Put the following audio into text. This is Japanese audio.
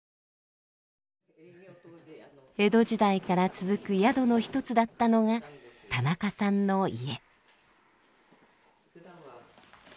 江戸時代から続く宿のひとつだったのが田中さんの家。